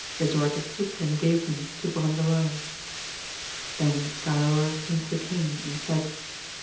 Lisuarte took and gave them to Brandoyuas. Then Galaor came to the king and said.